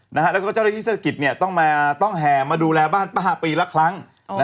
แล้วก็เจ้าละที่ศักดิ์ศักดิ์ต้องแห่มาดูแลบ้านป่าปีละครั้ง